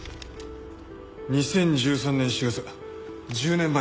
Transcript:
２０１３年４月１０年前だな。